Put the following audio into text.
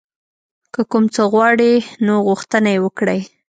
که کوم څه غواړئ نو غوښتنه یې وکړئ.